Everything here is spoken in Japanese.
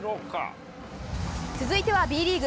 続いてはＢリーグ。